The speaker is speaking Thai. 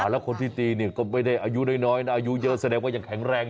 แล้วคนที่ตีก็ไม่ได้อายุน้อยนะอายุเยอะแสดงว่ายังแข็งแรง